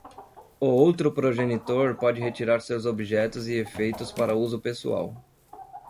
O outro progenitor pode retirar seus objetos e efeitos para uso pessoal.